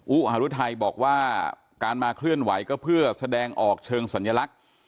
หารุทัยบอกว่าการมาเคลื่อนไหวก็เพื่อแสดงออกเชิงสัญลักษณ์